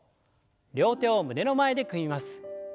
両手を胸の前で組みます。